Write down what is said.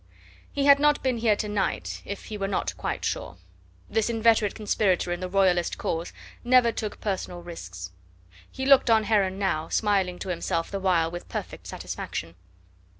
He had not been here to night if he were not quite sure. This inveterate conspirator in the Royalist cause never took personal risks. He looked on Heron now, smiling to himself the while with perfect satisfaction.